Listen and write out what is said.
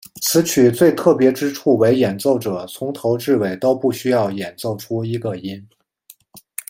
此曲最特别之处为演奏者从头至尾都不需要演奏出一个音。